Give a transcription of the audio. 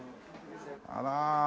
あら。